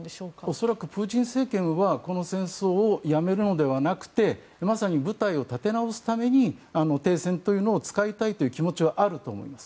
恐らく、プーチン政権はこの戦争をやめるのではなくてまさに部隊を立て直すために停戦というのを使いたい気持ちはあると思います。